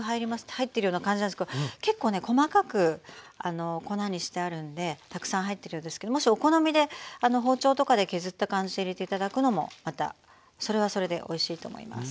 入ってるような感じなんですけど結構ね細かく粉にしてあるんでたくさん入ってるようですけどもしお好みで包丁とかで削った感じで入れて頂くのもまたそれはそれでおいしいと思います。